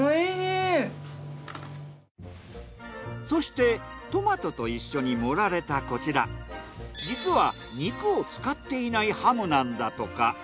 そしてトマトと一緒に盛られたこちら実は肉を使っていないハムなんだとか。